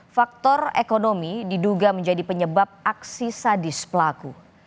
faktor ekonomi diduga menjadi penyebab aksi sadis pelaku